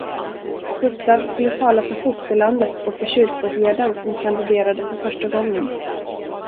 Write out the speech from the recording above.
Gustav skulle tala för fosterlandet och för kyrkoherden som kandiderade för första gången.